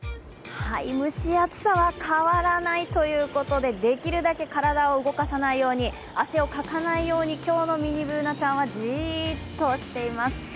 蒸し暑さは変わらないということで、できるだけ体を動かさないように汗をかかないように、今日のミニＢｏｏｎａちゃんはじーっとしています。